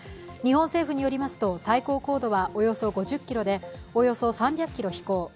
日本政府によりますと、最高高度はおよそ５０ｋｍでおよそ３００ｋｍ飛行。